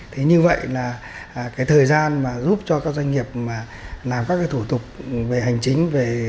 thế như vậy là cái thời gian mà giúp cho các doanh nghiệp làm các thủ tục về hành chính